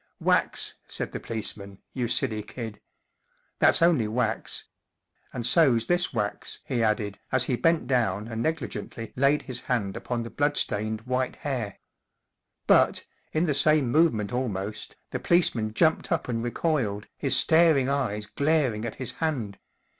44 Wax," said the policeman, 44 you silly kid. That's only wax. And so's this wax," he added, as he bent down and negligently laid his hand upon the blood stained white hair. But, in the same movement almost, the policeman jumped up and recoiled, his staring eyes glaring at his hand.